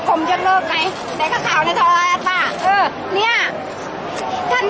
อาหรับเชี่ยวจามันไม่มีควรหยุด